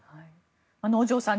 能條さん